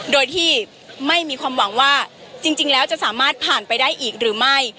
โดยที่ไม่มีความหวังว่าจริงแล้วจะสามารถผ่านไปได้อีกหรือไม่